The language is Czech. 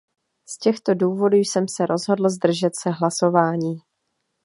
Z těchto důvodů jsem se rozhodl zdržet se hlasování.